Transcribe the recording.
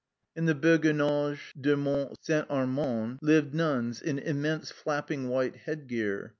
In the Beguinage de Mont St. Armand lived nuns, in immense flapping white headgear.